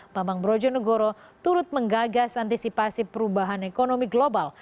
bambang brojo negoro turut menggagas antisipasi perubahan ekonomi global